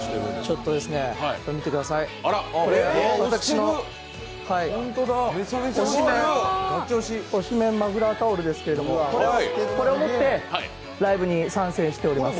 見てください、私の推しメンマフラータオルですけど、これを持ってライブに参戦しております。